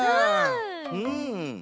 うん。